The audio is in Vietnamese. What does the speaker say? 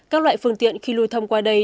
các loại phương tiện khi lùi thông qua đây